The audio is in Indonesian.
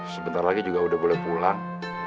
sebentar lagi juga udah boleh pulang